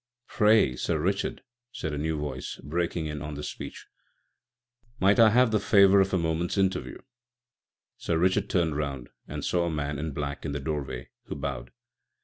"Pray, Sir Richard," said a new voice, breaking in on this speech, "might I have the favour, of a moment's interview?" Sir Richard turned round and saw a man in black in the doorway, who bowed.